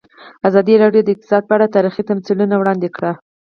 ازادي راډیو د اقتصاد په اړه تاریخي تمثیلونه وړاندې کړي.